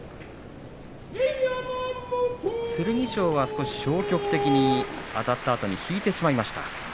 剣翔が少し消極的にあたったあとに引いてしまいました。